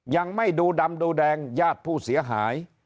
ยังไม่ดูดำดูแดงญาติผู้เสียหาย